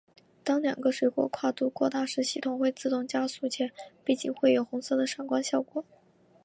当两个水果跨度过大时系统会自动加速且背景会有红色的闪光效果。